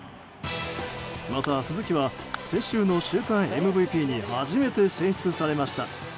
また、鈴木は先週の週間ＭＶＰに初めて選出されました。